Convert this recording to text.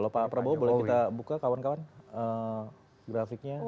kalau pak prabowo boleh kita buka kawan kawan grafiknya